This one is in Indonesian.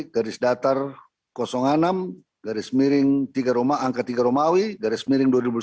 garis datar enam garis miring angka tiga romawi garis miring dua ribu sembilan belas